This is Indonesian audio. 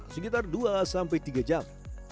sekitar dua sampai tiga jam